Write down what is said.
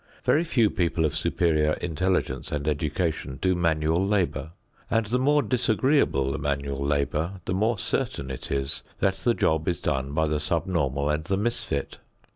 Very few people of superior intelligence and education do manual labor and the more disagreeable the manual labor, the more certain it is that the job is done by the sub normal and the misfit.